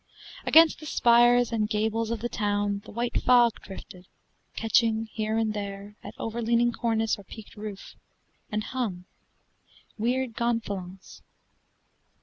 Against the spires and gables of the town The white fog drifted, catching here and there At overleaning cornice or peaked roof, And hung weird gonfalons.